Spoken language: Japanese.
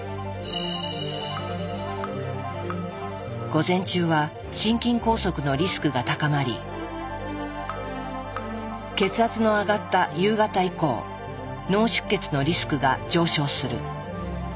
午前中は心筋梗塞のリスクが高まり血圧の上がった夕方以降脳出血のリスクが上昇する。